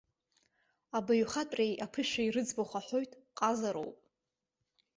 Абаҩхатәреи аԥышәеи рыӡбахә аҳәоит, ҟазароуп.